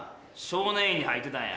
少年院に入ってたんや。